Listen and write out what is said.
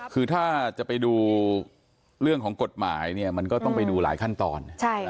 คือถ้าจะไปดูเรื่องของกฎหมายเนี่ยมันก็ต้องไปดูหลายขั้นตอน